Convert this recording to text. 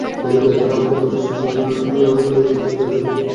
তিনি দয়া করে আমাদের পরের স্টেশনে ট্রেন থেকে বের করে দিলেন।